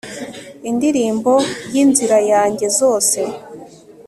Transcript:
Indirimbo yinzira yanjye zose